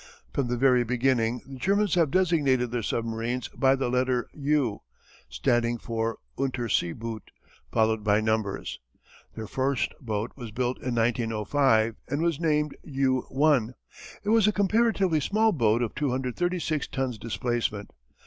From the very beginning the Germans have designated their submarines by the letter "U" (standing for Unterseeboot) followed by numbers. The first boat was built in 1905 and was named "U 1." It was a comparatively small boat of 236 tons displacement.